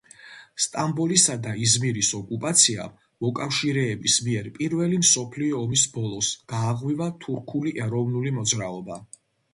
სტამბოლისა და იზმირის ოკუპაციამ მოკავშირეების მიერ პირველი მსოფლიო ომის ბოლოს გააღვივა თურქული ეროვნული მოძრაობა.